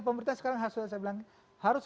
pemerintah sekarang harus